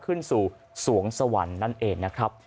ขึ้นสู่สวงสวรรค์นั่นเองนะครับ